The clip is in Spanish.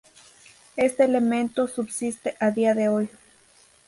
Este elemento subsiste a día de hoy.